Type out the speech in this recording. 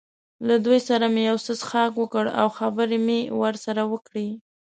له دوی سره مې یو څه څښاک وکړ او خبرې مې ورسره وکړې.